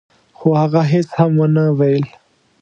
خو هغه هيڅ هم ونه ويل.